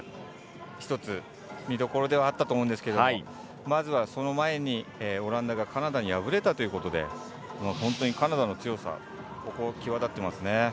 １つ、見どころではあったと思うんですけれどもまずは、その前にオランダがカナダに敗れたということで本当にカナダの強さ際立ってますね。